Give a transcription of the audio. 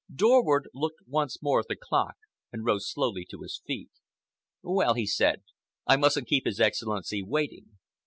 Dorward looked once more at the clock and rose slowly to his feet. "Well," he said, "I mustn't keep His Excellency waiting.